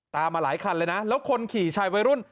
มาหลายคันเลยนะแล้วคนขี่ชายวัยรุ่น